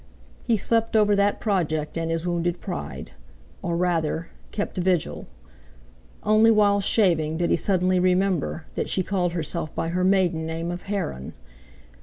He slept over that project and his wounded pride—or rather, kept vigil. Only while shaving did he suddenly remember that she called herself by her maiden name of Heron.